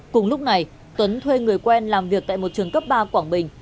cùng lúc này tuấn thuê người quen làm việc tại một trường cấp ba quảng bình